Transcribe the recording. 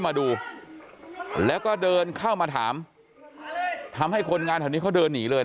มาดูแล้วก็เดินเข้ามาถามทำให้คนงานแถวนี้เขาเดินหนีเลยนะ